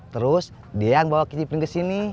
terus dia yang bawa kc pring ke sini